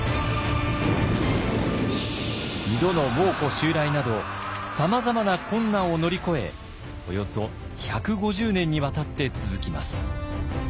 二度の蒙古襲来などさまざまな困難を乗り越えおよそ１５０年にわたって続きます。